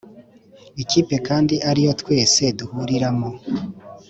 ikipe kandi ariyo twese duhuriramo